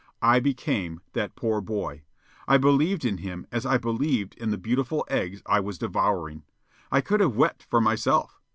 I became that poor boy. I believed in him as I believed in the beautiful eggs I was devouring. I could have wept for myself.